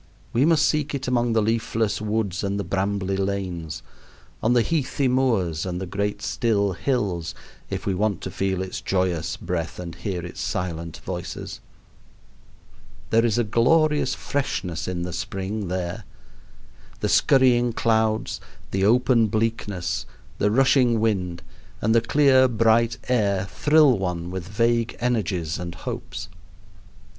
We must seek it among the leafless woods and the brambly lanes, on the heathy moors and the great still hills, if we want to feel its joyous breath and hear its silent voices. There is a glorious freshness in the spring there. The scurrying clouds, the open bleakness, the rushing wind, and the clear bright air thrill one with vague energies and hopes.